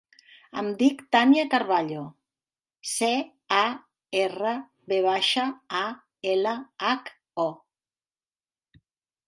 Em dic Tània Carvalho: ce, a, erra, ve baixa, a, ela, hac, o.